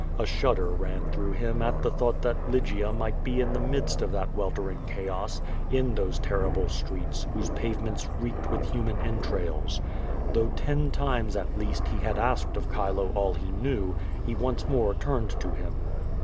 A shudder ran through him at the thought that Lygia might be in the midst of that weltering chaos, in those terrible streets, whose pavements reeked with human entrails. Though ten times, at least, he had asked of Chilo all he knew, he once more turned to him.